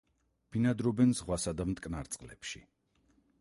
ბინადრობენ ზღვასა და მტკნარ წყლებში.